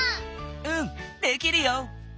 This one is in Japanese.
うんできるよ。